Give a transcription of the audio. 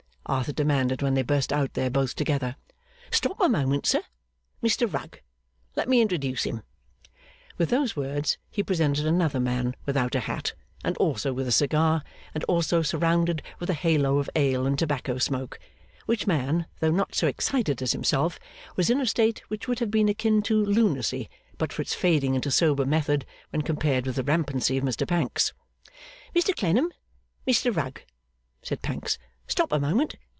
Arthur demanded, when they burst out there both together. 'Stop a moment, sir. Mr Rugg. Let me introduce him.' With those words he presented another man without a hat, and also with a cigar, and also surrounded with a halo of ale and tobacco smoke, which man, though not so excited as himself, was in a state which would have been akin to lunacy but for its fading into sober method when compared with the rampancy of Mr Pancks. 'Mr Clennam, Mr Rugg,' said Pancks. 'Stop a moment.